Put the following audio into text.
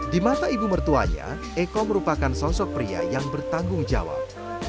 di mata ibu mertuanya eko merupakan sosok pria yang bertanggung jawab